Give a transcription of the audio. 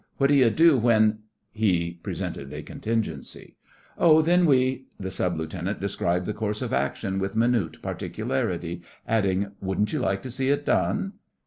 What do you do when——?' he presented a contingency. 'Oh, then we——' The Sub Lieutenant described the course of action with minute particularity, adding: 'Wouldn't you like to see it done?